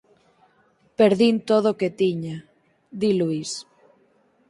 Perdín todo o que tiña –di Luís–.